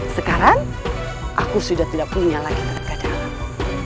sekarang aku sudah tidak punya lagi terhadap keadaanmu